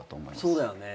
そうだよね。